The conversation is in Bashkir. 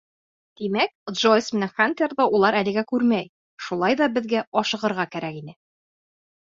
Тимәк, Джойс менән Хантерҙы улар әлегә күрмәй, шулай ҙа беҙгә ашығырға кәрәк ине.